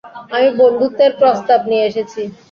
আমি বন্ধুত্বের প্রস্তাব নিয়ে এসেছি।